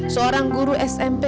seorang guru smp